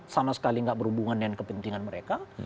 sama sekali gak berhubungan dengan kepentingan mereka